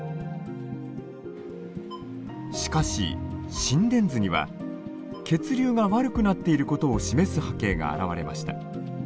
しかし心電図には血流が悪くなっていることを示す波形が現れました。